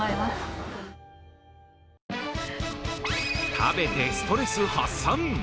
食べてストレス発散。